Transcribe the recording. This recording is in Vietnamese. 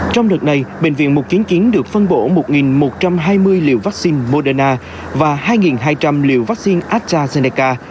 trong đợt này bệnh viện một trăm chín mươi chín được phân bổ một một trăm hai mươi liều vaccine moderna và hai hai trăm linh liều vaccine astrazeneca